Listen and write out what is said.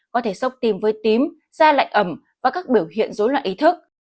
có thể sốc tim với tím da lạnh ẩm và các biểu hiện dối loạn ý thức